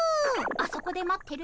あそこで待ってる！